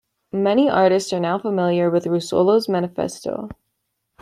Many artists are now familiar with Russolo's manifesto.